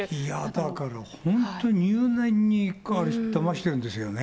だから本当、入念にだましてるんですよね。